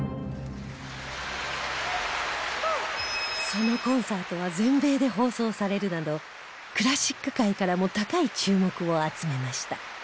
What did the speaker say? そのコンサートは全米で放送されるなどクラシック界からも高い注目を集めました